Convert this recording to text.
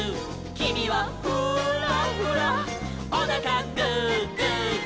「きみはフーラフラ」「おなかグーグーグー」